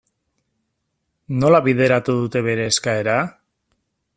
Nola bideratu dute bere eskaera?